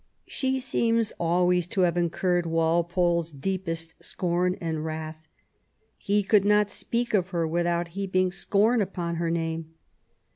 She seems always to have incurred Walpole's deepest scorn and wrath He could not speak of her without heaping scorn upon her name.